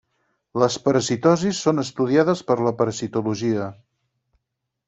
Les parasitosis són estudiades per la parasitologia.